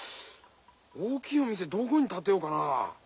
大きいお店どこにたてようかな？